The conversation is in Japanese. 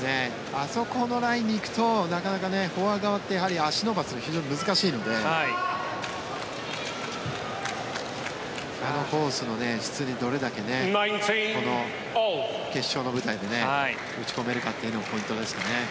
あそこのラインに行くとフォア側って足を伸ばすのが非常に難しいのでこのコースの質にどれだけこの決勝の舞台で打ち込めるかというのがポイントですね。